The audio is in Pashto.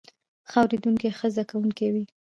ښه اوریدونکی ښه زده کوونکی وي